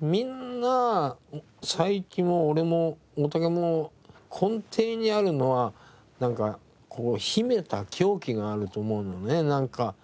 みんな斉木も俺も大竹も根底にあるのは秘めた狂気があると思うのねなんか。